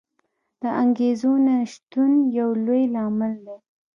د انګېزو نه شتون یو لوی لامل دی.